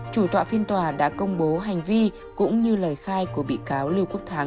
chủ tọa phiên tòa đã công bố hành vi cũng như lời khai của bị cáo lưu quốc thái